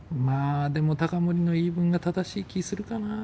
まあでも高森の言い分が正しい気するかな。